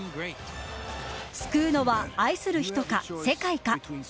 救うのは、愛する人か世界か。